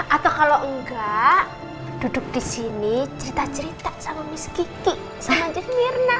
atau kalo engga duduk disini cerita cerita sama miss kiki sama jus mirna